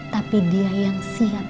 tapi dia yang siap